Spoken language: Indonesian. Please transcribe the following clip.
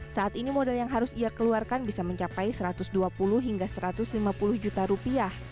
saat ini modal yang harus ia keluarkan bisa mencapai satu ratus dua puluh hingga satu ratus lima puluh juta rupiah